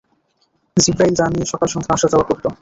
জিব্রাইল যা নিয়ে সকাল-সন্ধ্যা আসা-যাওয়া করত।